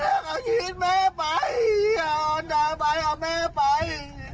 ไม่แล้วก็ยืดแม่ไปอ๋อนาไปพายของแม่ไป